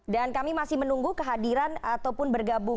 dan kami masih menunggu kehadiran ataupun bergabung